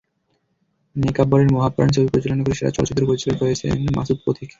নেকাব্বরের মহাপ্রয়াণ ছবি পরিচালনা করে সেরা চলচ্চিত্র পরিচালক হয়েছেন মাসুদ পথিক।